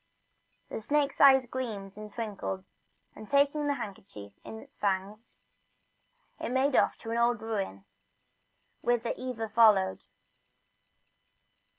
The snake's eyes gleamed and twinkled, and taking the handkerchief into his fangs, he made off to an old ruin, whither Eva followed.